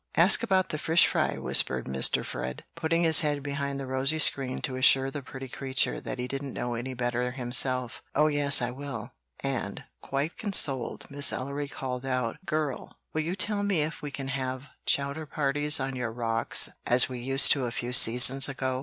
"Ask about the fish fry," whispered Mr. Fred, putting his head behind the rosy screen to assure the pretty creature that he didn't know any better himself. "Oh yes, I will!" and, quite consoled, Miss Ellery called out, "Girl, will you tell me if we can have chowder parties on your rocks as we used to a few seasons ago?"